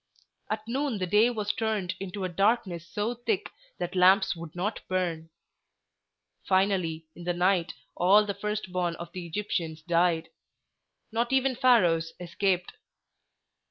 At noon the day was turned into a darkness so thick that lamps would not burn. Finally, in the night all the first born of the Egyptians died; not even Pharaoh's escaped.